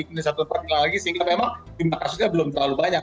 kemudian di satu tempat dihilang lagi sehingga memang vaksinnya belum terlalu banyak